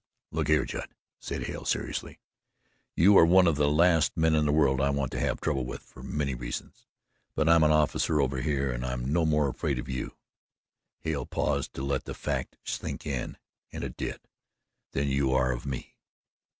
"Look here, Judd," said Hale seriously. "You are one of the last men in the world I want to have trouble with for many reasons; but I'm an officer over here and I'm no more afraid of you" Hale paused to let that fact sink in and it did "than you are of me.